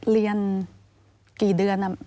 เรียนกี่เดือน